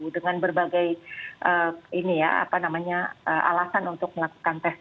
dengan berbagai alasan untuk melakukan tes